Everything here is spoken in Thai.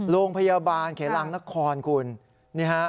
โรงพยาบาลเขลังนครคุณนี่ฮะ